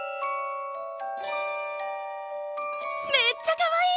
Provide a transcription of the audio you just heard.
めっちゃかわいい！